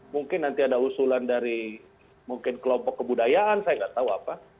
mungkin nanti ada usulan dari mungkin kelompok kebudayaan saya nggak tahu apa